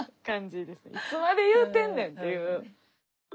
いつまで言うてんねんっていう。